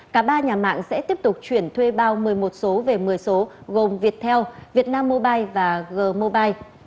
cả ba nhà mạng sẽ tiếp tục chuyển thuê bao một mươi một số về một mươi số gồm viettel vietnam mobile và g mobile